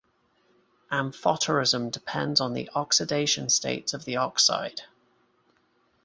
Amphoterism depends on the oxidation states of the oxide.